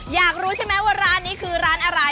อยากรู้ใช่ไหมว่าร้านนี้คือร้านอะไร